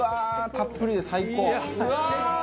たっぷりで最高！